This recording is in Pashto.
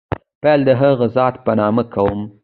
پیل د هغه ذات په نامه کوم.